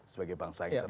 sebagai bangsa yang jelas